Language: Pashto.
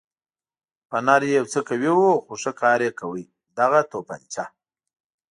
فنر یې یو څه قوي و خو ښه کار یې کاوه، دغه تومانچه.